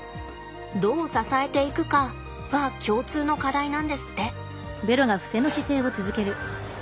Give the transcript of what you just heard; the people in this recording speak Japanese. どう支えていくかが共通の課題なんですって。